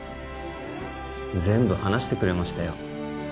全部話してくれましたよ